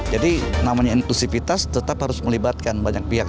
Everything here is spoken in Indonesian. jadi namanya inklusivitas tetap harus melibatkan banyak pihak